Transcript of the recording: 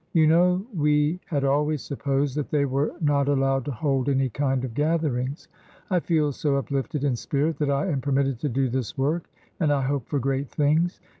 You know we had always supposed that they were not allowed to hold any kind of gatherings. I feel so uplifted in spirit that I am permitted to do this work, and I hope for great things.